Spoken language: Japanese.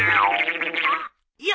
いや！？